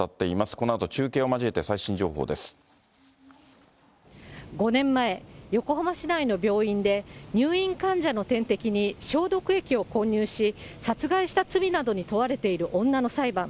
このあと、中継を交えて、５年前、横浜市内の病院で、入院患者の点滴に消毒液を混入し、殺害した罪などに問われている女の裁判。